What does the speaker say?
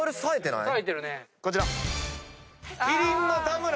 こちら。